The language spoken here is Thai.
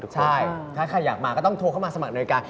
ใช่ถ้าใครอยากมาก็ต้องโทรเข้ามาสมัครในการ